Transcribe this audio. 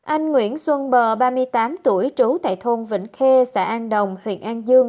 anh nguyễn xuân bờ ba mươi tám tuổi trú tại thôn vĩnh khê xã an đồng huyện an dương